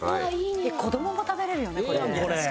子供も食べれるよね